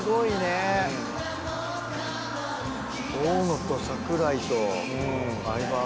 大野と櫻井と相葉。